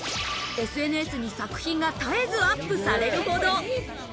ＳＮＳに作品が絶えずアップされるほど。